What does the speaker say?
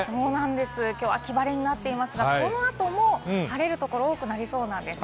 きょうは秋晴れになっていますが、この後も晴れるところが多くなりそうなんです。